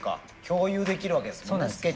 共有できるわけですもんね